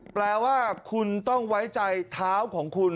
แปลว่าคุณต้องไว้ใจเท้าของคุณ